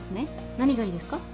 何がいいですか？